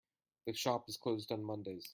The shop is closed on Mondays.